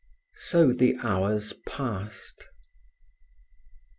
So the hours passed.